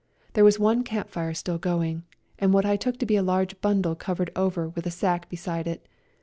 There was one camp fire still going, and what I took to be a large bundle covered over with a sack beside it.